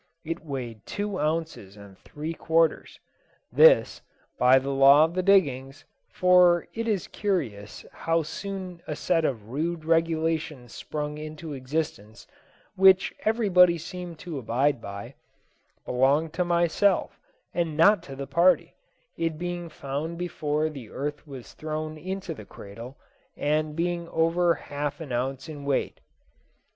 It weighed two ounces and three quarters. This, by the law of the diggings for it is curious how soon a set of rude regulations sprung into existence, which everybody seemed to abide by belonged to myself and not to the party, it being found before the earth was thrown into the cradle, and being over half an ounce in weight.